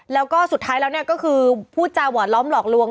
แล้วก็สุดท้ายแล้วเนี่ยก็คือพูดจาหวอดล้อมหลอกลวง